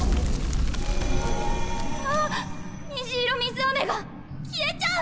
ああ虹色水あめが消えちゃう。